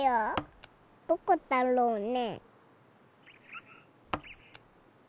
どこだろうね？